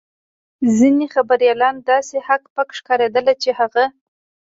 ځینې خبریالان داسې هک پک ښکارېدل چې هغه.